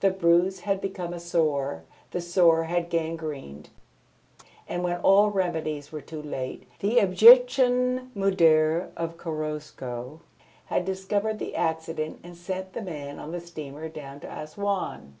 The bruise had become a sore, the sore had gangrened, and when all remedies were too late, the Egyptian Mudir of Korosko had discovered the accident and sent the man on the steamer down to Assouan.